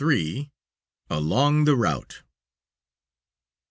ALONG THE ROUTE.